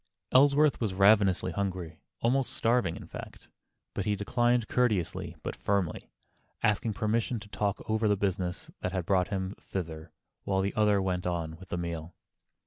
Ellsworth was ravenously hungry, almost starving, in fact, but he declined courteously but firmly, asking permission to talk over the business that had brought him thither, while the other went on with the meal.